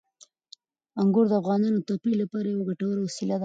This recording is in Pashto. انګور د افغانانو د تفریح لپاره یوه ګټوره وسیله ده.